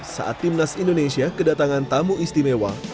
saat timnas indonesia kedatangan tamu istimewa